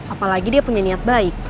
apalagi dia punya niat baik